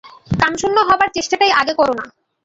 কামশূন্য হবার চেষ্টাটাই আগে কর না।